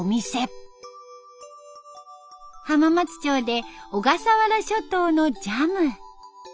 浜松町で小笠原諸島のジャム。